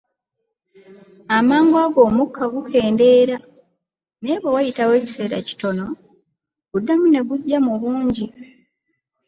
Amangu ago omukka gukendeera, naye bwe wayitawo ekiseera kitono, guddamu ne gujja mu bungi.